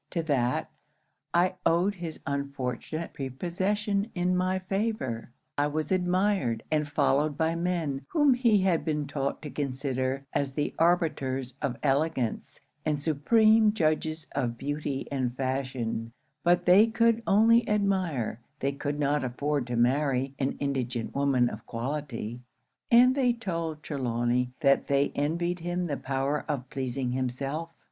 To that, I owed his unfortunate prepossession in my favour. I was admired and followed by men whom he had been taught to consider as the arbiters of elegance, and supreme judges of beauty and fashion; but they could only admire they could not afford to marry an indigent woman of quality; and they told Trelawny that they envied him the power of pleasing himself.